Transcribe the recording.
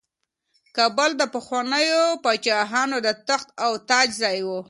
کابل د پخوانیو پاچاهانو د تخت او تاج ځای و.